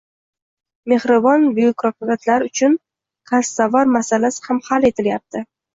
Mehribon byurokratlar uchun “kanstovar” masalasi ham hal etilyapti.